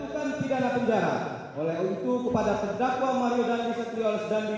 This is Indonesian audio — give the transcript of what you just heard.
tuntutan pidana penjara oleh untuk kepada pedakwa mario dandi satrio oles dandi